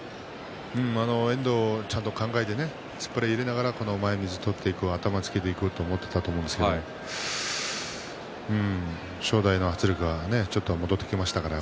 遠藤ちゃんと考えて突っ張りに入れながら前みつを取って頭をつけていくという正代の圧力がちょっと戻ってきましたからね